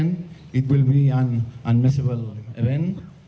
ini akan menjadi acara yang tidak bisa dibuat